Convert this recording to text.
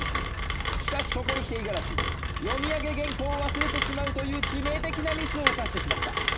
しかしここにきてイガラシ読み上げ原稿を忘れてしまうという致命的なミスを犯してしまった。